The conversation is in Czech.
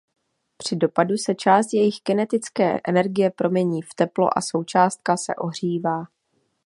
Při dopadu se část jejich kinetické energie promění v teplo a součástka se ohřívá.